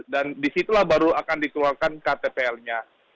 dan disitulah baru akan dikeluarkan ktpl nya